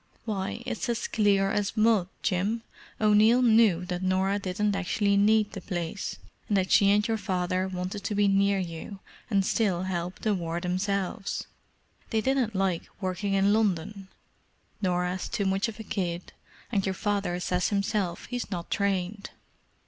Why, it's as clear as mud, Jim! O'Neill knew that Norah didn't actually need the place, and that she and your father wanted to be near you and still help the war themselves. They didn't like working in London—Norah's too much of a kid, and your father says himself he's not trained.